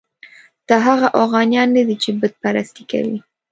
دا هغه اوغانیان نه دي چې بت پرستي کوي.